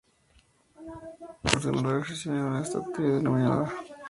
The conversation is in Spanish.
Los ganadores reciben una estatuilla denominada "Rumiñahui de Oro".